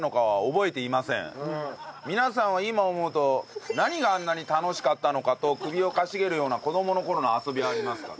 皆さんは今思うと何があんなに楽しかったのかと首をかしげるような子供の頃の遊びはありますか？